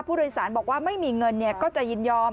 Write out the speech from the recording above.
ผู้โดยสารบอกว่าไม่มีเงินก็จะยินยอม